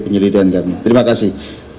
penyelidikan kami terima kasih